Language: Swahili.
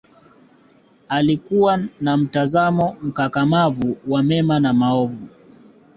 alikua na mtazamo mkakamavu wa mema na maovu